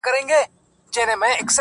ه بيا دي ږغ کي يو عالم غمونه اورم~